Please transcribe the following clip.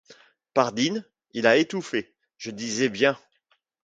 Pardine, il a étouffé, je disais bien.